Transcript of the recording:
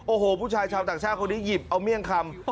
โอ้โหผู้ชายชาวต่างชาติคนนี้หยิบเอาเมี่ยงคำ